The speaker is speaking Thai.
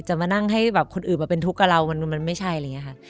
มานั่งให้แบบคนอื่นมาเป็นทุกข์กับเรามันไม่ใช่อะไรอย่างนี้ค่ะ